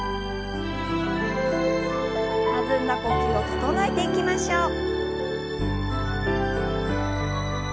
弾んだ呼吸を整えていきましょう。